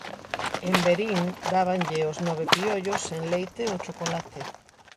En Verín dábanlle os nove piollos en leite ou chocolate.